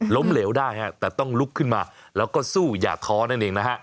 เหลวได้ฮะแต่ต้องลุกขึ้นมาแล้วก็สู้อย่าท้อนั่นเองนะฮะ